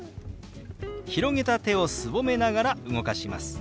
広げた手をすぼめながら動かします。